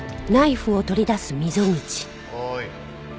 おい。